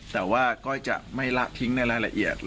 แต่ว่าก้อยจะไม่ละทิ้งในรายละเอียด